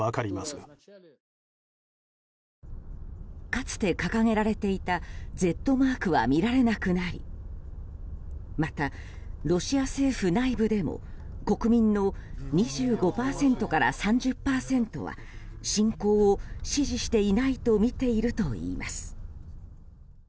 かつて掲げられていたＺマークは見られなくなりまた、ロシア政府内部でも国民の２５％から３０％は侵攻を支持していないとみているといいます。